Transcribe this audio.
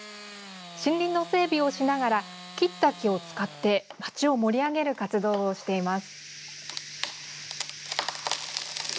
森林の整備をしながら切った木を使って町を盛り上げる活動をしています。